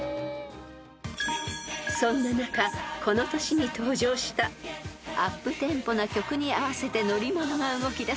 ［そんな中この年に登場したアップテンポな曲に合わせて乗り物が動きだす